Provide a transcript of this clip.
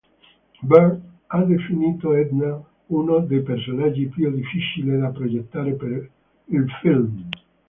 Bird ha definito Edna uno dei personaggi più difficili da progettare per il film.